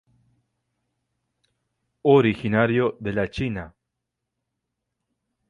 Originario de la China.